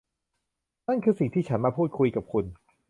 นั่นคือสิ่งที่ฉันมาพูดคุยกับคุณ